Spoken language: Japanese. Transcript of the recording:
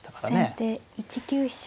先手１九飛車。